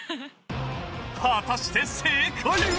果たして正解は。